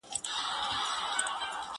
خلګ وایې شعر دی زه وام نه د زړو خبري دي,